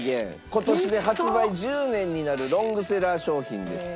今年で発売１０年になるロングセラー商品です。